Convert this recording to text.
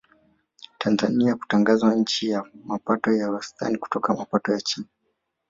Tanzania kutangazwa nchi ya mapato ya wastani kutoka mapato ya chini